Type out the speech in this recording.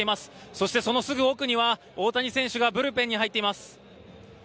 そしてそのすぐ奥には、大谷選手がブルペンに入っています。